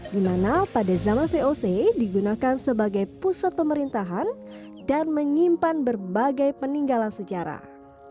di mana pada zaman voc digunakan sebagai pusat pemerintahan dan menyimpan berbagai peninggalan sejarah